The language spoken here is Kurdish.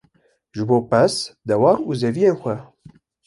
ji bo pez, dewar û zeviyên xwe